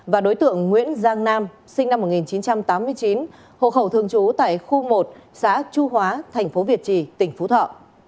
và đối tượng nguyễn giang nam sinh năm một nghìn chín trăm tám mươi chín hộ khẩu thường trú tại khu một xã chu hóa thành phố việt trì tỉnh phú thọ